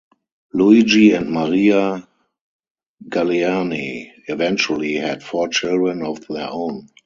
Luigi and Maria Galleani eventually had four children of their own.